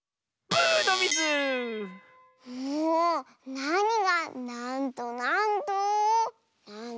なにが「なんとなんと」なの！